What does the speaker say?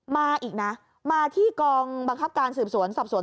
มาอีกนะมาที่กองบางคับการสืบศรวนสถใส่สวก